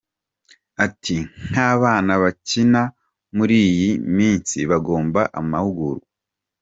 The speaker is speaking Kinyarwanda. Ati “Nk’abana bakina muri iyi minsi bagomba amahugurwa.